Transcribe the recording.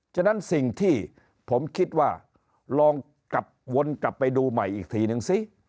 ฉะนั้นสิ่งที่ผมคิดว่าลองกลับวนกลับไปดูใหม่อีกทีนึงสิ